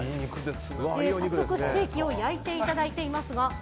早速、ステーキを焼いていただいていますが。